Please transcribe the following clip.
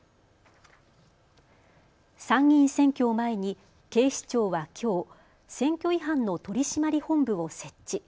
参議院選挙を前に警視庁はきょう、選挙違反の取締本部を設置。